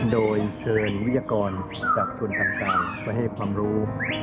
โดยเชิญวิยากรจากคนต่างมาให้ความรู้